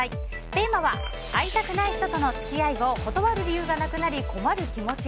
テーマは、会いたくない人との付き合いを断る理由がなくなり困る気持ち。